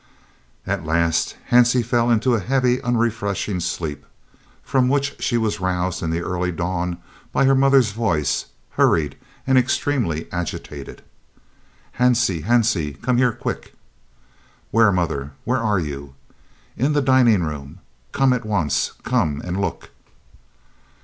At last Hansie fell into a heavy, unrefreshing sleep, from which she was roused in the early dawn by her mother's voice, hurried and extremely agitated. "Hansie, Hansie, come here quick!" "Where, mother? Where are you?" "In the dining room! Come at once, come and look!"